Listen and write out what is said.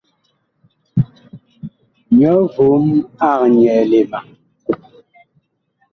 Nyɔ vom ag nyɛɛle ma.